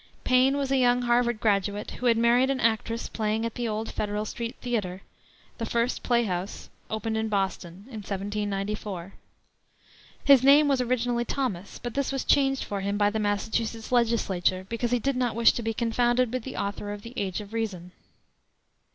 Paine was a young Harvard graduate, who had married an actress playing at the old Federal Street Theater, the first play house opened in Boston, in 1794. His name was originally Thomas, but this was changed for him by the Massachusetts Legislature, because he did not wish to be confounded with the author of the Age of Reason.